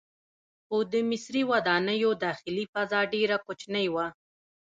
خو د مصري ودانیو داخلي فضا ډیره کوچنۍ وه.